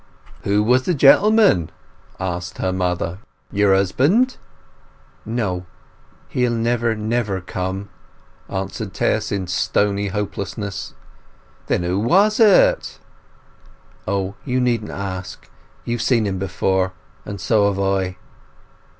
"Who was the gentleman?" asked the mother. "Your husband?" "No. He'll never, never come," answered Tess in stony hopelessness. "Then who was it?" "Oh, you needn't ask. You've seen him before, and so have I."